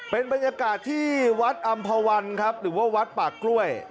เป็นบรรยากาศที่วัดอำภาวันครับหรือว่าวัดปากกล้วย